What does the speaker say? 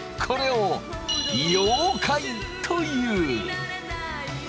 これを溶解という。